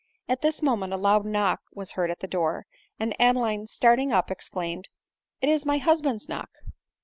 At this moment a loud knock was heard at the door, and Adeline, starting up, exclaimed, " If is my husband's knock